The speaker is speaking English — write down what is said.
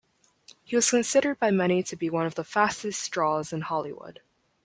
He was considered by many to be one of the fastest draws in Hollywood.